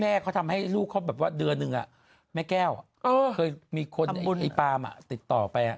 เขาทำให้ลูกเขาแบบว่าเดือนหนึ่งแม่แก้วเคยมีคนไอ้ปาล์มติดต่อไป